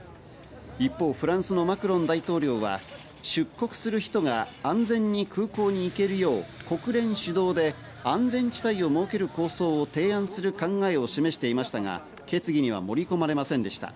一方、フランスのマクロン大統領は出国する人が安全に空港に行けるよう、国連主導で安全地帯を設ける構想を提案する考えを示していましたが、決議には盛り込まれませんでした。